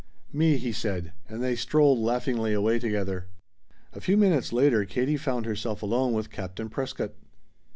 "Me," he said, and they strolled laughingly away together. A few minutes later Katie found herself alone with Captain Prescott.